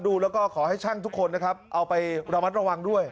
ดูแล้วก็ขอให้ช่างทุกคนนะครับเอาไประมัดระวังด้วย